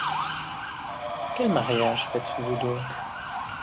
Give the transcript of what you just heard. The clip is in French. Quel mariage faites-vous donc ?